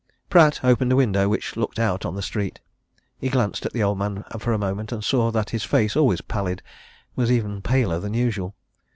Pratt opened a window which looked out on the street. He glanced at the old man for a moment and saw that his face, always pallid, was even paler than usual.